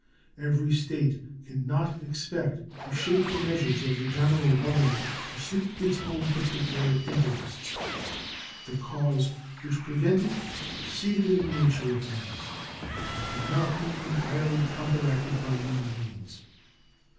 Every State can not expect to shape the measures of the General Government to suit its own particular interests. The causes which prevent it are seated in the nature of things, and can not be entirely counteracted by human means.